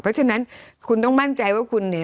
เพราะฉะนั้นคุณต้องมั่นใจว่าคุณเนี่ย